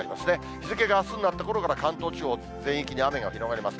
日付があすになったころから、関東地方全域に雨が広がります。